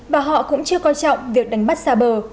và họ cũng chưa coi trọng việc đánh bắt xa bờ